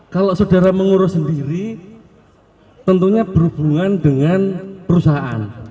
kalau saudara mengurus sendiri tentunya berhubungan dengan perusahaan